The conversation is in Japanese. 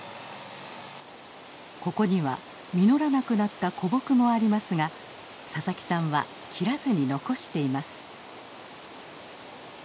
ここには実らなくなった古木もありますが佐々木さんは切らずに残しています。